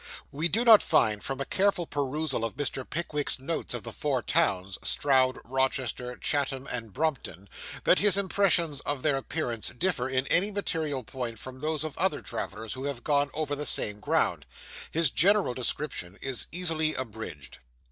We do not find, from a careful perusal of Mr. Pickwick's notes of the four towns, Stroud, Rochester, Chatham, and Brompton, that his impressions of their appearance differ in any material point from those of other travellers who have gone over the same ground. His general description is easily abridged.